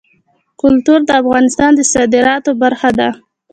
کلتور د افغانستان د صادراتو برخه ده.